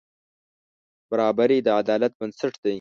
برابري د عدالت بنسټ دی.